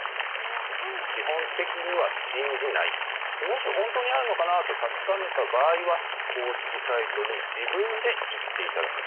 基本的には信じない、もし本当にあるのかなと確かめた場合は、公式サイトに自分で行っていただく。